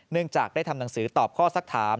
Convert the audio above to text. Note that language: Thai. จากได้ทำหนังสือตอบข้อสักถาม